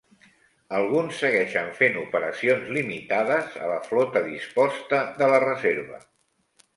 Alguns segueixen fent operacions limitades a la Flota Disposta de la Reserva.